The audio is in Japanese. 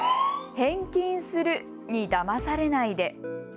返金するにだまされないで。